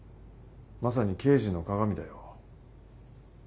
まさに刑事の鑑だよ。